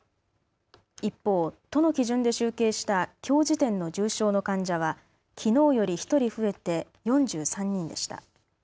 一方、都の基準で集計したきょう時点の重症の患者はきのうより１人増えて４３人でした。